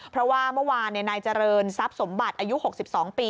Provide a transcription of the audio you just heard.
เพราะว่าเมื่อวานนายเจริญทรัพย์สมบัติอายุ๖๒ปี